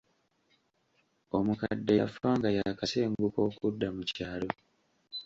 Omukadde yafa nga yaakasenguka okudda mu kyalo.